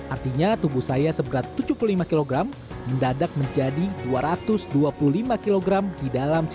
artinya tubuh saya seberat tujuh puluh lima kg mendadak menjadi dua ratus dua puluh lima kg di dalam